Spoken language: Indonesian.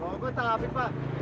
oh gue tak api pak